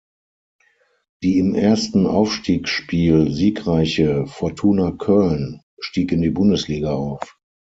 Die im ersten Aufstiegsspiel siegreiche Fortuna Köln stieg in die Bundesliga auf.